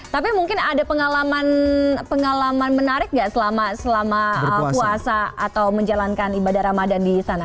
tapi mungkin ada pengalaman menarik nggak selama puasa atau menjalankan ibadah ramadan di sana